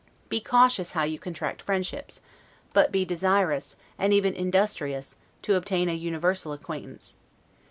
Be cautious how you contract friendships, but be desirous, and even industrious, to obtain a universal acquaintance.